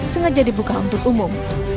sengaja dibuka untuk umum